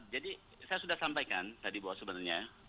jadi saya sudah sampaikan tadi bahwa sebenarnya